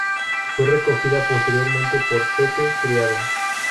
Fue recogida posteriormente por Pepe Criado.